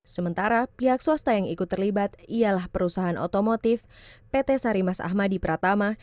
sementara pihak swasta yang ikut terlibat ialah perusahaan otomotif pt sarimas ahmadi pratama